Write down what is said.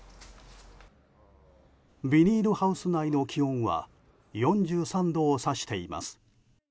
ビニールハウス内の気温は４３度を指しています。